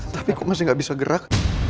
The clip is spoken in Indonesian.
tapi kok masih gak bisa gerak